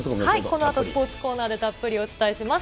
このあとスポーツコーナーでたっぷりお伝えします。